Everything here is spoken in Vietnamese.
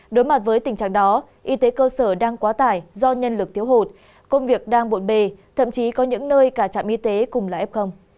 đối mặt với tình trạng đó y tế cơ sở đang quá tải do nhân lực thiếu hụt công việc đang bộn bề thậm chí có những nơi cả trạm y tế cùng là f